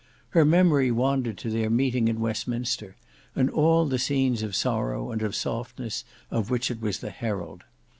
Her memory wandered to their meeting in Westminster, and all the scenes of sorrow and of softness of which it was the herald.